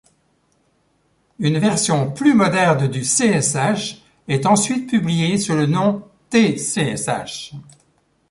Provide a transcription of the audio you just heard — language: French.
Une version plus moderne du csh est ensuite publiée sous le nom tcsh.